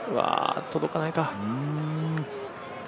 届かないか。